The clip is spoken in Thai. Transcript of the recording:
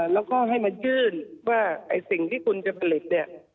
แล้วก็ให้มายื่นว่าไอ้สิ่งที่คุณจะผลิตเนี่ย